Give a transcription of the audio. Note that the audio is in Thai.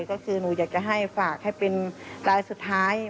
ก็คือหนูอยากจะให้ฝากให้เป็นรายสุดท้าย